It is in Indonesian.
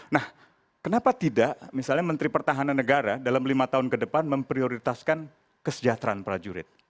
nah kenapa tidak misalnya menteri pertahanan negara dalam lima tahun ke depan memprioritaskan kesejahteraan prajurit